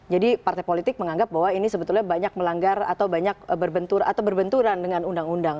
jadi partai politik menganggap bahwa ini sebetulnya banyak melanggar atau banyak berbenturan dengan undang undang